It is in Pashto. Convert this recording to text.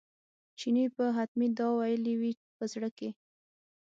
چیني به حتمي دا ویلي وي په زړه کې.